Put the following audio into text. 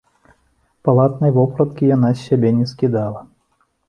Палатанай вопраткі яна з сябе не скідала.